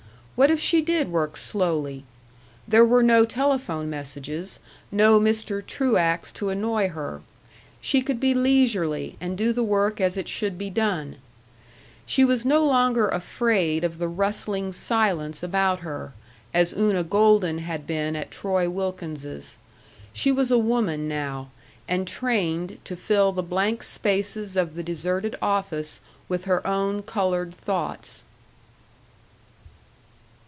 What if she did work slowly? There were no telephone messages, no Mr. Truax to annoy her. She could be leisurely and do the work as it should be done.... She was no longer afraid of the rustling silence about her, as Una Golden had been at Troy Wilkins's. She was a woman now, and trained to fill the blank spaces of the deserted office with her own colored thoughts.